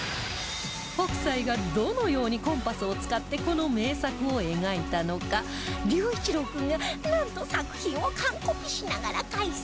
北斎がどのようにコンパスを使ってこの名作を描いたのか龍一郎君がなんと作品を完コピしながら解説